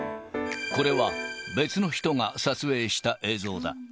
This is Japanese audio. これは、別の人が撮影した映像だ。